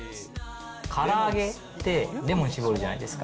から揚げって、レモン搾るじゃないですか。